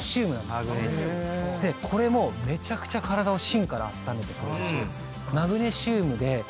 でこれもめちゃくちゃ体を芯からあっためてくれるしマグネシウムで。